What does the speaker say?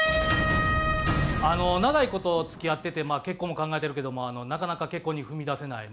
長い事付き合ってて結婚も考えてるけどもなかなか結婚に踏み出せない